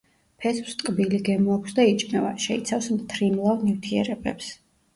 ფესვს ტკბილი გემო აქვს და იჭმევა; შეიცავს მთრიმლავ ნივთიერებებს.